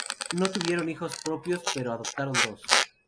No tuvieron hijos propios, pero adoptaron dos.